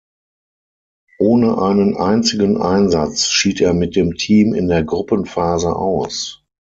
Ohne einen einzigen Einsatz schied er mit dem Team in der Gruppenphase aus.